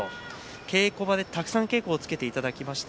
稽古場でたくさん稽古をつけていただいた。